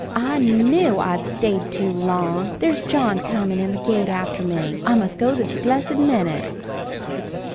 I knew I'd stay too long! There's John comin' in the gate after me. I must go this blessed minute.